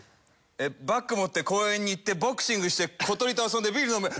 「バッグ持って公園に行ってボクシングして小鳥と遊んでビール飲む」ＢＫＢＫＢ！